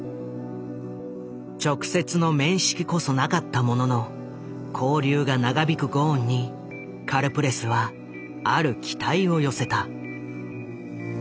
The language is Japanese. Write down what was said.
直接の面識こそなかったものの勾留が長引くゴーンにカルプレスはある期待を寄せた。